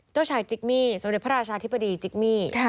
เจ้าชายจิกมี่สมเด็จพระราชาธิบดีจิกมี่